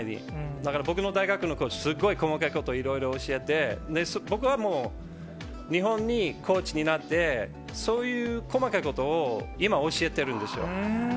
だから僕の大学のコーチ、すごい細かいことをいろいろ教えて、僕はもう、日本にコーチになって、そういう細かいことを今、教えてるんですよ。